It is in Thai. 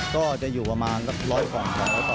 ก็จะอยู่ประมาณกับ๑๐๐ฟัง